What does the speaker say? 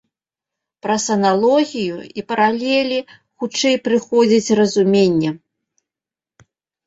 Праз аналогію і паралелі хутчэй прыходзіць разуменне.